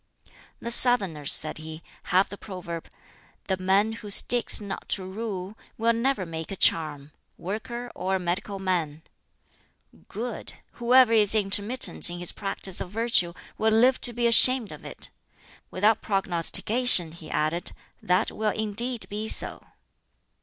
"The Southerners," said he, "have the proverb, 'The man who sticks not to rule will never make a charm worker or a medical man,' Good! 'Whoever is intermittent in his practise of virtue will live to be ashamed of it.' Without prognostication," he added, "that will indeed be so."